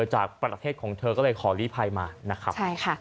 จากประเทศของเธอก็เลยขอลีภัยมานะครับใช่ค่ะ